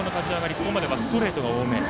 ここまではストレートが多め。